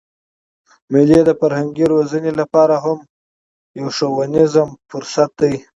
مېلې د فرهنګي روزني له پاره هم یو ښوونیز فرصت دئ.